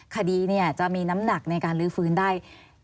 คดีจะมีน้ำหนักในการลื้อฟื้นได้